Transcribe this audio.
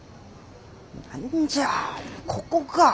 何じゃあここか。